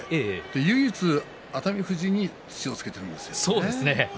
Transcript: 唯一、熱海富士に土をつけているんですよね。